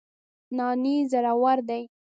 نانی زړور دی